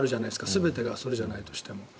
全てがそうじゃないとしても。